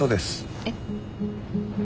えっ。